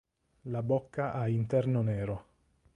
La bocca ha interno nero.